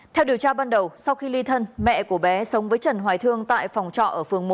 theo điều tra ban đầu sau khi ly thân mẹ của bé sống với trần hoài thương tại phòng trọ ở phường một